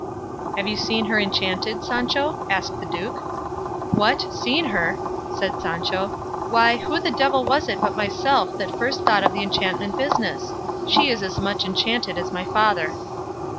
"Have you seen her enchanted, Sancho?" asked the duke. "What, seen her!" said Sancho; "why, who the devil was it but myself that first thought of the enchantment business? She is as much enchanted as my father."